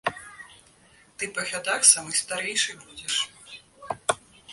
Ты па гадах самы старэйшы будзеш.